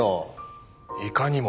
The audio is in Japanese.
いかにも。